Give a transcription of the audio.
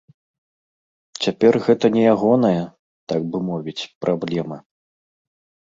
Цяпер гэта не ягоная, так бы мовіць, праблема.